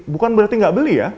bukan berarti nggak beli ya